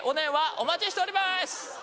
お待ちしております！